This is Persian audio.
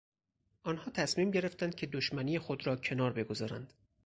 آنان تصمیم گرفتند که دشمنی خود را کنار بگذارند.